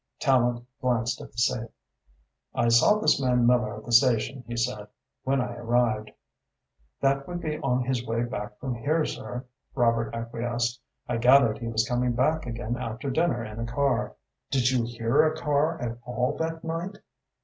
Tallente glanced at the safe. "I saw this man Miller at the station," he said, "when I arrived." "That would be on his way back from here, sir," Robert acquiesced. "I gathered that he was coming back again after dinner in a car." "Did you hear a car at all that night?"